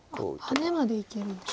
ハネまでいけるんですね。